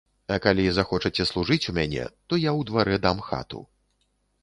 А калі захочаце служыць у мяне, то я ў дварэ дам хату.